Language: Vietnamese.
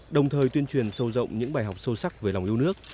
đồng thời tuyên truyền sâu rộng những bài học sâu sắc về lòng yêu nước